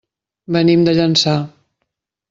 Venim de Llançà.